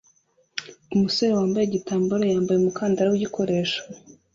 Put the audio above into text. Umusore wambaye igitambaro yambaye umukandara wigikoresho